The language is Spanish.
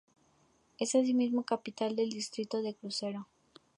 Es asimismo capital del distrito de Crucero.